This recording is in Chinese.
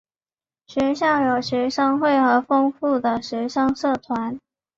学校有学生会和丰富的学生社团。